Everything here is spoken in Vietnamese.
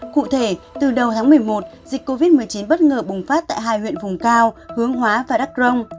cụ thể từ đầu tháng một mươi một dịch covid một mươi chín bất ngờ bùng phát tại hai huyện vùng cao hướng hóa và đắk rông